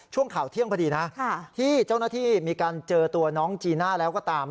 ช่วงข่าวเที่ยงพอดีนะที่เจ้าหน้าที่มีการเจอตัวน้องจีน่าแล้วก็ตาม